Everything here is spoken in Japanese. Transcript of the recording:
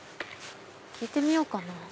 聞いてみようかな。